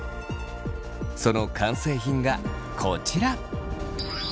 その完成品がこちら。